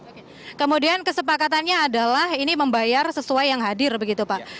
oke kemudian kesepakatannya adalah ini membayar sesuai yang hadir begitu pak